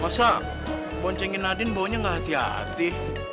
masa poncengin nadine baunya gak hati hati